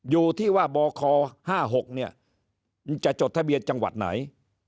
อยู่ที่ว่าบค๕๖เนี่ยจะจดทะเบียนจังหวัดไหน